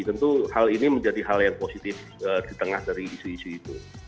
tentu hal ini menjadi hal yang positif di tengah dari isu isu itu